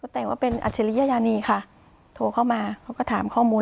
แต่งว่าเป็นอัจฉริยีค่ะโทรเข้ามาเขาก็ถามข้อมูล